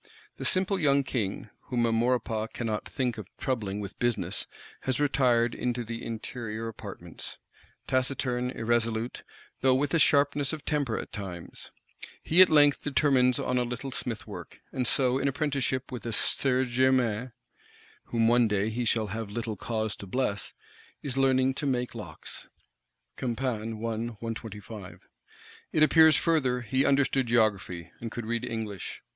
The simple young King, whom a Maurepas cannot think of troubling with business, has retired into the interior apartments; taciturn, irresolute; though with a sharpness of temper at times: he, at length, determines on a little smithwork; and so, in apprenticeship with a Sieur Gamain (whom one day he shall have little cause to bless), is learning to make locks. It appears further, he understood Geography; and could read English.